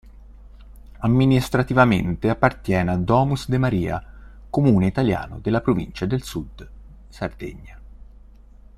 Amministrativamente appartiene a Domus de Maria, comune italiano della provincia del Sud Sardegna.